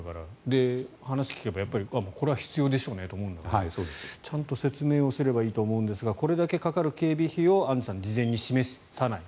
で、話を聞けばこれは必要でしょうねと思うんですがちゃんと説明すればいいと思うんですがこれだけかかる警備費用をアンジュさん、事前に示さない。